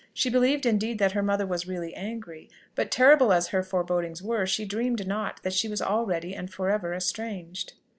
She believed, indeed, that her mother was really angry; but, terrible as her forebodings were, she dreamed not that she was already and for ever estranged.